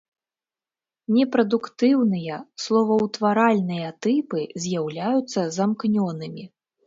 Непрадуктыўныя словаўтваральныя тыпы з'яўляюцца замкнёнымі.